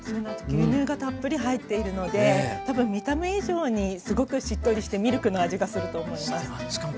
牛乳がたっぷり入っているので多分見た目以上にすごくしっとりしてミルクの味がすると思います。